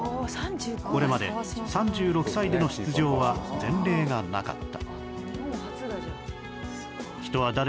これまで、３６歳での出場は前例がなかった。